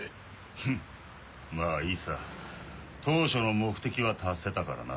フンまぁいいさ当初の目的は達せたからな。